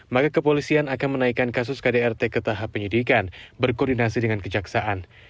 maka kepolisian akan menaikkan kasus kdrt ke tahap penyidikan berkoordinasi dengan kejaksaan